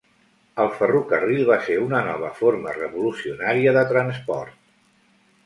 El ferrocarril va ser una nova forma revolucionària de transport.